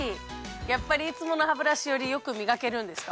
やっぱりいつものハブラシより良くみがけるんですか？